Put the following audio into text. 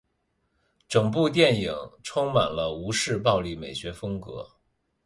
整部电影充满了吴氏暴力美学风格。